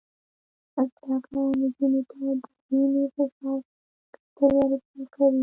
زده کړه نجونو ته د وینې فشار کتل ور زده کوي.